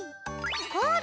こうだ！